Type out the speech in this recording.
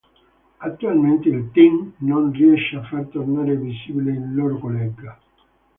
Attualmente il team non riesce a far tornare visibile il loro collega.